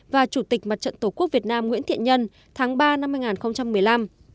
và chủ tịch mật trận tổ quốc việt nam nguyễn thiện nhân tháng ba năm hai nghìn một mươi năm